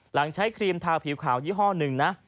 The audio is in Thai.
ใช้ครีมทาผิวขาวยี่ห้อหนึ่งนะ